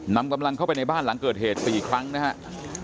นำกำลังเข้าไปในบ้านหลังเกิดเหตุ๔ครั้งนะครับ